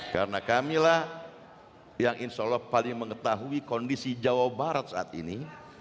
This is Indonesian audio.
karena kamilah yang insya allah paling mengetahui kondisi jawa barat saat ini